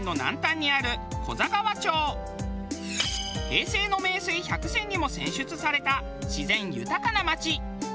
平成の名水百選にも選出された自然豊かな町。